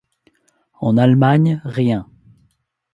En Allemagne, rien.